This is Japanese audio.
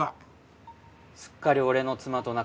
すっかり俺の妻と仲良しだ。